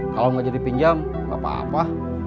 kalau gak jadi pinjam apa apa